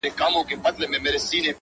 پر دې متل باندي څه شك پيدا سو”